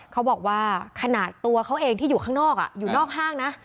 เขาบอกว่าขนาดตัวเขาเองที่อยู่ข้างนอกอยู่นอกห้างนะ